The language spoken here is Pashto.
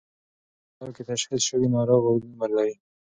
لومړی پړاو کې تشخیص شوی ناروغ اوږد عمر لري.